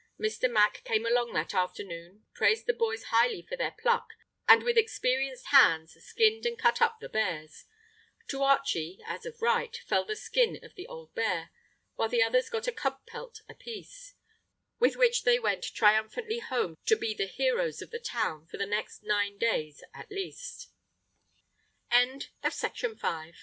Mr. Mack came along that afternoon, praised the boys highly for their pluck, and with experienced hands skinned and cut up the bears. To Archie, as of right, fell the skin of the old bear, while the others got a cub pelt apiece, with which they went triumphantly home to be the heroes of